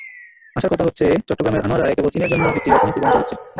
আশার কথা হচ্ছে, চট্টগ্রামের আনোয়ারায় কেবল চীনের জন্য একটি অর্থনৈতিক অঞ্চল হচ্ছে।